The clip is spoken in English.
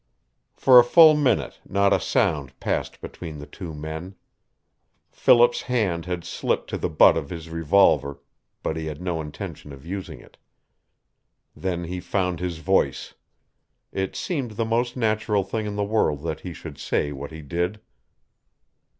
For a full minute not a sound passed between the two men. Philip's hand had slipped to the butt of his revolver, but he had no intention of using it. Then he found his voice. It seemed the most natural thing in the world that he should say what he did.